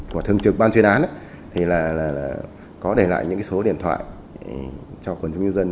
của thường trực ban chuyên án có để lại những số điện thoại cho quần chúng nhân dân